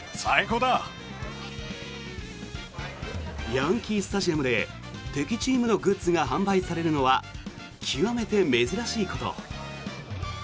ヤンキー・スタジアムで敵チームのグッズが販売されるのは極めて珍しいこと。